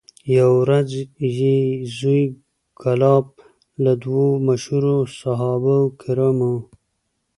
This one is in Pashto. یوه ورځ یې زوی کلاب له دوو مشهورو صحابه کرامو